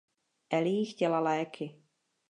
Ellie chtěla léky.